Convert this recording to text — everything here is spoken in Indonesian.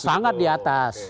sangat di atas